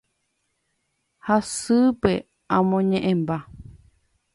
Hasy'ípe amoñe'ẽmba.